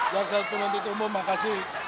jaksa penuntut umum makasih